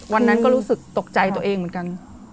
วันนั้นก็รู้สึกตกใจตัวเองเหมือนกัน